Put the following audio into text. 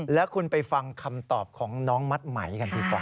แล้วคุณไปฟังคำตอบของน้องมัดไหมกันดีกว่า